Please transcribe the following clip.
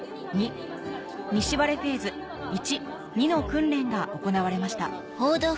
西割れフェーズの訓練が行われました